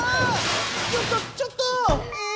ちょっとちょっとぉ！え！